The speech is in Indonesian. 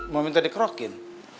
mau minta dikrokin